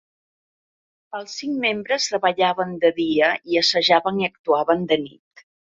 Els cinc membres treballaven de dia i assajaven i actuaven de nit.